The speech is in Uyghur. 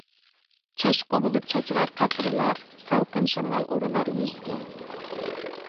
چاچقۇ بولۇپ چاچرار قەترىلەر، سالقىن شامال ئۇرۇلار يۈزگە.